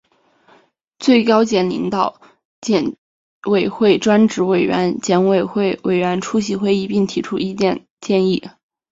最高检领导、检委会专职委员、检委会委员出席会议并提出意见建议